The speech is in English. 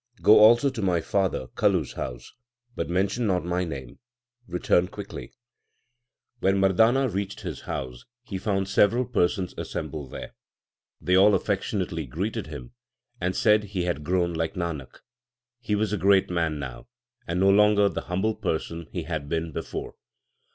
Go also to my father Kalu s house, but mention not my name. Return quickly. When Mardana reached his house he found several persons assembled there. They all affectionately greeted him, and said he had grown like Nanak. He was a great man now, and no longer the humble person he had been before.